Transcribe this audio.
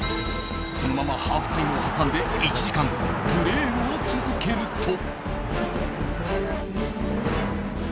そのままハーフタイムを挟んで１時間、プレーを続けると。